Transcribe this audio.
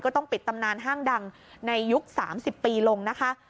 ต้องปิดตำนานห้างดังในยุค๓๐ปีลงนะคะ